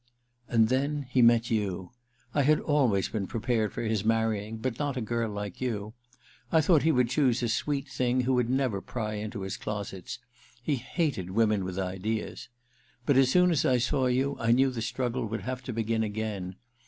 * And then he met you. I had always been prepared for his marrying, but not a girl like you. I thought he would choose a sweet thing who would never pry into his closets — he hated women with ideas ! But as soon as I saw you I knew the struggle would have to begin again.